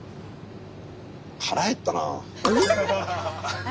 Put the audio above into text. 腹減ったなあ。